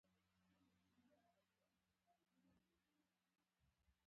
خپله همدغه پانګه دې په کار واچوه په پښتو ژبه.